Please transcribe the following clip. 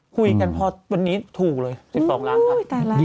คุยกันพอวันนี้ถูกเลย๑๒ล้านครับ